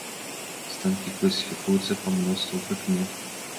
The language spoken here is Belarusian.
Станкі класіфікуюцца па мноству прыкмет.